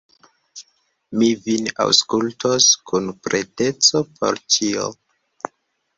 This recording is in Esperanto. Mi vin aŭskultos kun preteco por ĉio.